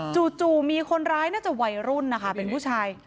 จู่มีคนร้ายน่าจะวัยรุ่นนะคะเป็นผู้ชาย